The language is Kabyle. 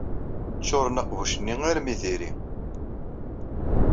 Ččuṛen aqbuc-nni armi d iri.